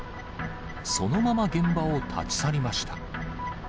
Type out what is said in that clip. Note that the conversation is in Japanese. そのまま現場を立ち去りました。